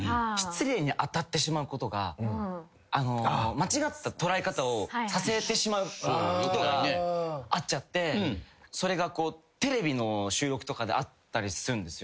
間違った捉え方をさせてしまうことがあっちゃってそれがこうテレビの収録とかであったりするんですよ。